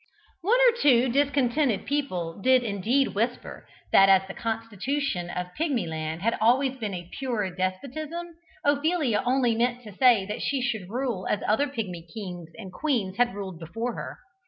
One or two discontented people did indeed whisper that as the constitution of Pigmyland had always been a pure despotism, Ophelia only meant to say that she should rule as other Pigmy kings and queens had ruled before her.